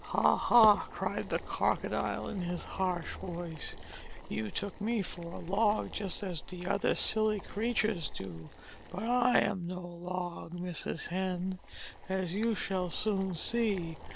"Ha, ha!" cried the Crocodile in his harsh voice. "You took me for a log, just as the other silly creatures do. But I am no log, Mrs. Hen, as you shall soon see.